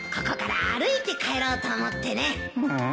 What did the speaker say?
ここから歩いて帰ろうと思ってね